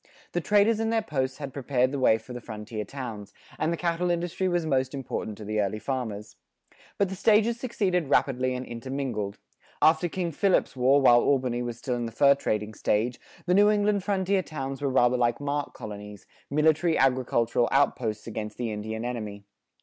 The traders and their posts had prepared the way for the frontier towns,[44:1] and the cattle industry was most important to the early farmers.[44:2] But the stages succeeded rapidly and intermingled. After King Philip's War, while Albany was still in the fur trading stage, the New England frontier towns were rather like mark colonies, military agricultural outposts against the Indian enemy.